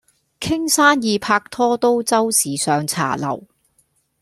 傾生意拍拖都周時上茶樓